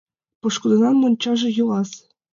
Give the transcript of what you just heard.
Пошкудынан мончаже йӱлас!